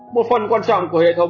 một phần quan trọng của hệ thống